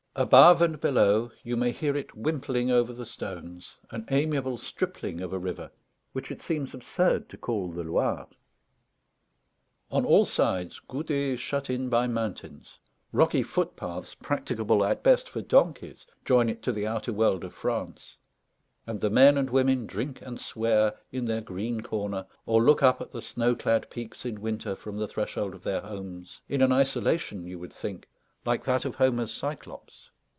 Above and below, you may hear it wimpling over the stones, an amiable stripling of a river, which it seems absurd to call the Loire. On all sides, Goudet is shut in by mountains; rocky footpaths, practicable at best for donkeys, join it to the outer world of France; and the men and women drink and swear, in their green corner, or look up at the snow clad peaks in winter from the threshold of their homes, in an isolation, you would think, like that of Homer's Cyclops.